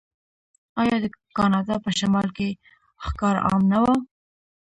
آیا د کاناډا په شمال کې ښکار عام نه و؟